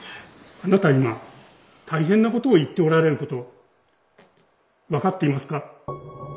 あなた今大変なことを言っておられること分かっていますか？